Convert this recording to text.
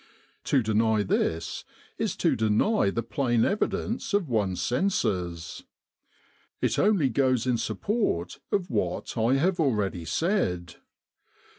To deny this is to deny the plain evidence of one's senses. It only goes in support of what I have already said.